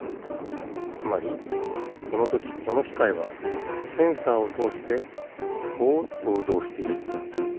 つまりこのときこのきかいはセンサーをとおしてこう想像している。